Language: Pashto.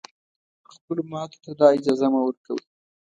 خپلو ماتو ته دا اجازه مه ورکوی